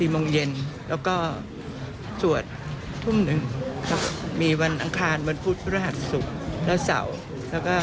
โมงเย็นแล้วก็สวดทุ่มหนึ่งครับมีวันอังคารวันพุธพฤหัสศุกร์และเสาร์แล้วก็